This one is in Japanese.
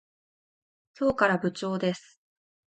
今日から部長です。